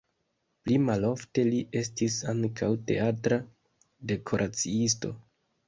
Pli malofte li estis ankaŭ teatra dekoraciisto.